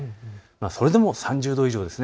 それでも３０度以上。